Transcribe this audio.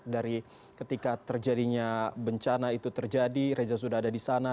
dari ketika terjadinya bencana itu terjadi reza sudah ada di sana